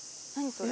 それ。